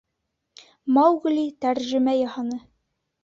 Маугли тәржемә яһаны.